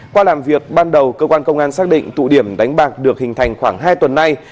qua làm việc ban đầu cơ quan công an xác định tụ điểm đánh bạc được hình thành khoảng hai tuần nay